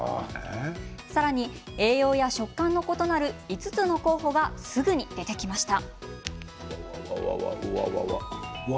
さらに、栄養や食感の異なる５つの候補がすぐに出てきました。